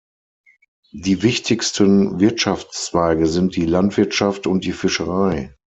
Die wichtigsten Wirtschaftszweige sind die Landwirtschaft und die Fischerei.